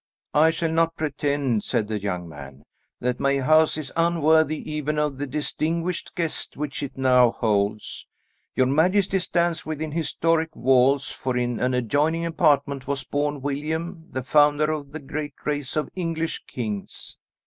"I shall not pretend," said the young man, "that my house is unworthy even of the distinguished guest which it now holds. Your majesty stands within historic walls, for in an adjoining apartment was born William, the founder of a great race of English kings.